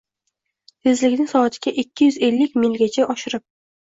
Tezlikni soatiga ikki yuz ellik milgacha oshirib